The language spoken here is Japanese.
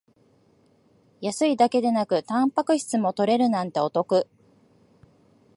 安いだけでなくタンパク質も取れるなんてお得